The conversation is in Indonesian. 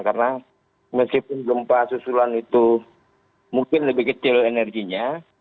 karena meskipun gempa susulan itu mungkin lebih kecil energinya